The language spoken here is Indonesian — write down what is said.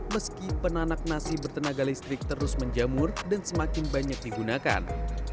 meski penanak nasi bertenaga listrik terus menjamur dan semakin banyak digunakan